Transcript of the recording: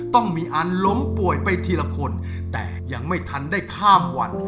ต้องมีอันล้มป่วยไปทีละคนแต่ยังไม่ทันได้ข้ามวัน